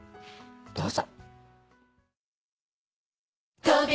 どうぞ。